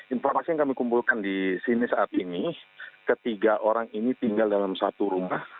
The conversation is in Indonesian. informasi yang kami kumpulkan di sini saat ini ketiga orang ini tinggal dalam satu rumah